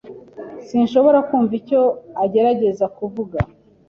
Sinshobora kumva icyo agerageza kuvuga.